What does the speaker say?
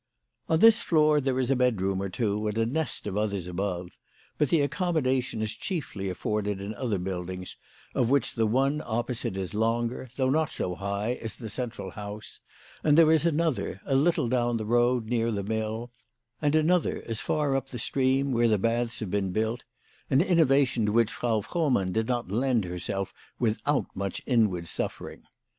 On this floor there is a bedroom or two, and a nest of others above ; but the accommodation is chiefly afforded in other buildings, of which the one opposite is longer, though not so high, as the central house ; and there is another, a little down the road, near the mill, and another as far up the stream, where the baths have been built, an innovation to which Frau Frohmann did not lend herself without much inward suffering.